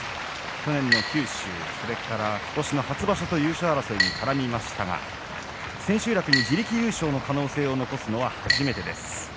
去年の九州、それから今年の初場所で優勝争いに絡みましたが千秋楽に自力優勝の可能性を残すのは初めてです。